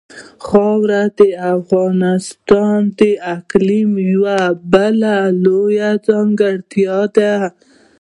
خاوره د افغانستان د اقلیم یوه بله لویه ځانګړتیا ده.